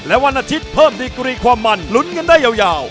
และวันอาทิตย์เพิ่มดีกรีความมันลุ้นกันได้ยาว